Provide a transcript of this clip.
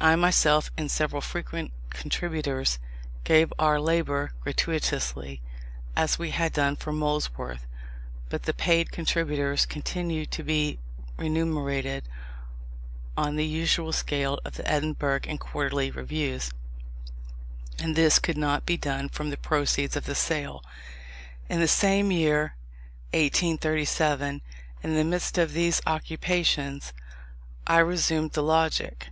I myself and several frequent contributors gave our labour gratuitously, as we had done for Molesworth; but the paid contributors continued to be remunerated on the usual scale of the Edinburgh and Quarterly Reviews; and this could not be done from the proceeds of the sale. In the same year, 1837, and in the midst of these occupations, I resumed the Logic.